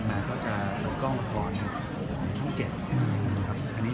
วันต่างก็จะถึงทั้งเรื่องรายการช่างวันนี้